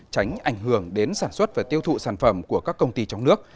tránh ảnh hưởng đến sản xuất và tiêu thụ sản phẩm của các công ty trong nước